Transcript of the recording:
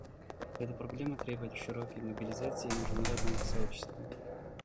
Эта проблема требует широкой мобилизации международного сообщества.